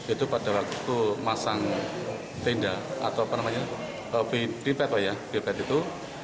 itu pada waktu masang tenda atau pipet itu